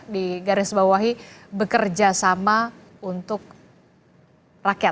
di garis bawahi bekerjasama untuk rakyat